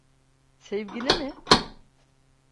Sevgili mi?